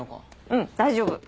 うん大丈夫。